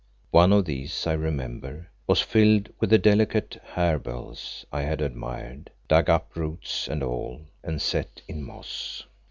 One of these, I remember, was filled with the delicate harebells I had admired, dug up roots and all, and set in moss.